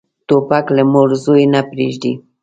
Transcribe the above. توپک له مور زوی نه پرېږدي.